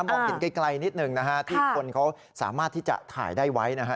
มองเห็นไกลนิดหนึ่งนะฮะที่คนเขาสามารถที่จะถ่ายได้ไว้นะฮะ